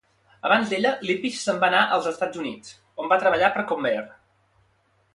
Abans d'ella, Lippisch se'n va anar als Estats Units, on va treballar per Convair.